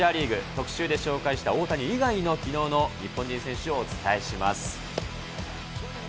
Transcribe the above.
特シューで紹介した大谷以外のきのうの日本人選手をお伝えします。